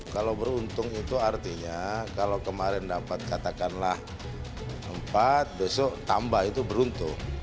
kalau beruntung itu artinya kalau kemarin dapat katakanlah empat besok tambah itu beruntung